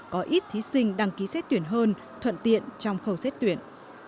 có ít thí sinh đăng ký xét tuyển hơn thuận tiện trong khâu xét tuyển